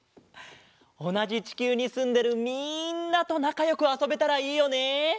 おなじちきゅうにすんでるみんなとなかよくあそべたらいいよね。